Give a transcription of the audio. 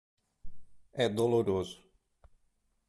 É doloroso.